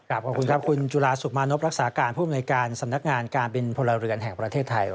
ขอบคุณครับคุณจุฬาสุขมานพรักษาการผู้อำนวยการสำนักงานการบินพลเรือนแห่งประเทศไทย